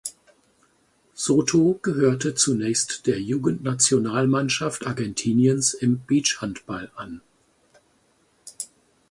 Soto gehörte zunächst der Juniorennationalmannschaft Argentiniens im Beachhandball an.